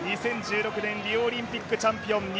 ２０１６年リオオリンピックチャンピオン